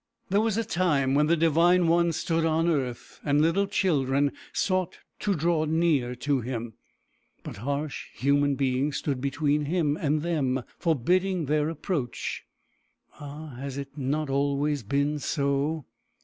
There was a time when the divine One stood on earth, and little children sought to draw near to him. But harsh human beings stood between him and them, forbidding their approach. Ah, has it not always been so?